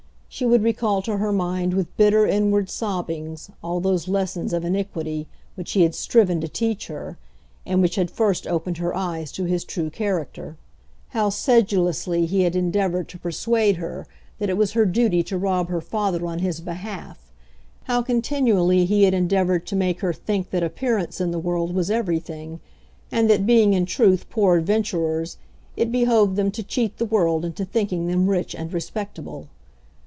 She would recall to her mind with bitter inward sobbings all those lessons of iniquity which he had striven to teach her, and which had first opened her eyes to his true character, how sedulously he had endeavoured to persuade her that it was her duty to rob her father on his behalf, how continually he had endeavoured to make her think that appearance in the world was everything, and that, being in truth poor adventurers, it behoved them to cheat the world into thinking them rich and respectable.